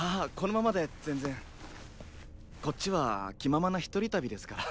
こっちは気ままな一人旅ですから。